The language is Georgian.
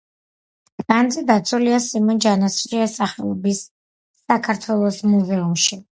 განძი დაცულია სიმონ ჯანაშიას სახელობის საქართველოს მუზეუმში.